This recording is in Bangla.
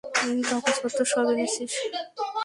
কাগজপত্র সব এনেছিস?